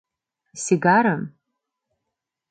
— Сигарым!